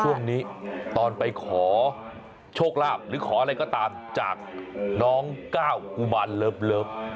ช่วงนี้ตอนไปขอโชคลาภหรือขออะไรก็ตามจากน้องก้าวกุมารเลิฟ